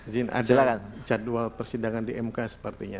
adalah jadwal persidangan di mk sepertinya